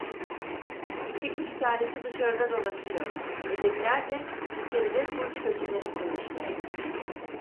İki üç tanesi dışarıda dolaşıyor, ötekiler de içeride kuytu köşelere sinmişler…